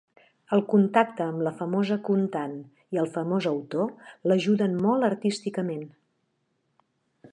El contacte amb la famosa contant i el famós autor l'ajuden molt artísticament.